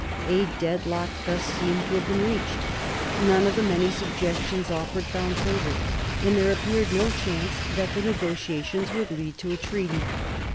A deadlock thus seemed to have been reached. None of the many suggestions offered found favour, and there appeared no chance that the negotiations would lead to a treaty.